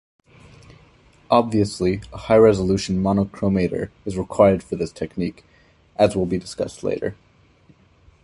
Obviously, a high-resolution monochromator is required for this technique, as will be discussed later.